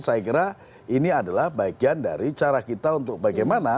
saya kira ini adalah bagian dari cara kita untuk bagaimana